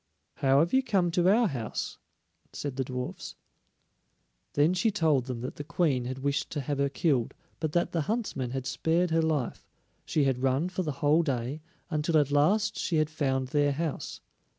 "How have you come to our house?" said the dwarfs. Then she told them that the Queen had wished to have her killed, but that the huntsman had spared her life; she had run for the whole day, until at last she had found their house.